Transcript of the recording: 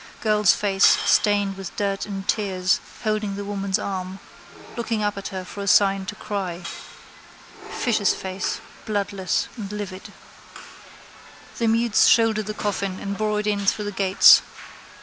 Girl's face stained with dirt and tears, holding the woman's arm, looking up at her for a sign to cry. Fish's face, bloodless and livid. The mutes shouldered the coffin and bore it in through the gates.